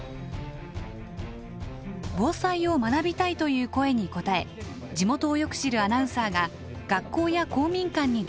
防災を学びたいという声に応え地元をよく知るアナウンサーが学校や公民館に出向き講師を務めます。